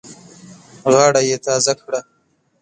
غاړه یې تازه کړه.